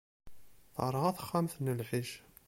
Terɣa texxamt n lɛic.